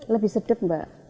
lebih sedap mbak